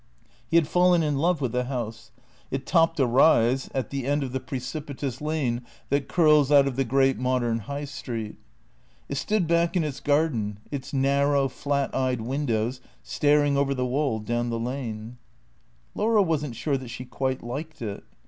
He had fallen in love with the house. It topped a rise, at the end of the precipitous lane that curls out of the great modern High Street. It stood back in its garden, its narrow, flat eyed windows staring over the wall down the lane, Laura was n't sure that she quite liked it.